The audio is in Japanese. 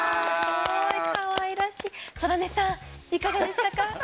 空音さん、いかがでしたか？